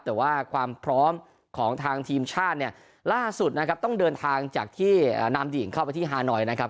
แต่ว่าความพร้อมของทางทีมชาติเนี่ยล่าสุดนะครับต้องเดินทางจากที่นำหญิงเข้าไปที่ฮานอยนะครับ